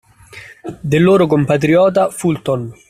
Del loro compatriota Fulton